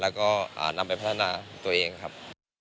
แล้วก็นำไปพัฒนาตัวเองครับ